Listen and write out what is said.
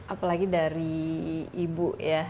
apalagi dari ibu